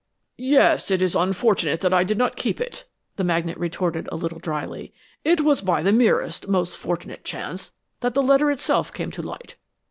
'" "Yes, it is unfortunate that I did not keep it," the magnate retorted a little drily. "It was by the merest, most fortunate chance that the letter itself came to light.